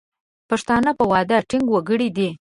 پښتانه په وعده ټینګ وګړي دي.